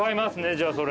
じゃあそれ。